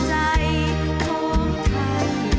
เสียงรัก